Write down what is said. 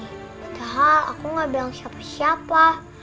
padahal aku gak bilang siapa siapa